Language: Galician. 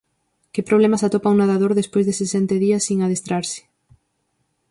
Que problemas atopa un nadador despois de sesenta días sen adestrarse?